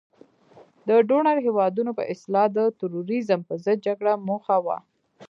د ډونر هیوادونو په اصطلاح د تروریزم په ضد جګړه موخه وه.